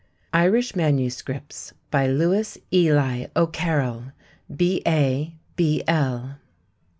IRISH MANUSCRIPTS By LOUIS ELY O'CARROLL, B.A., B.L.